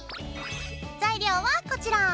材料はこちら！